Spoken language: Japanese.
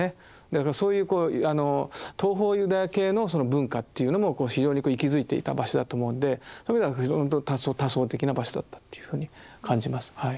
だからそういうこうあの東方ユダヤ系のその文化というのも非常に息づいていた場所だと思うんでそういう意味ではほんと多層的な場所だったというふうに感じます。